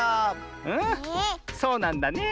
うんそうなんだねえ。